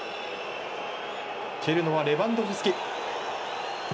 蹴るのはレバンドフスキ。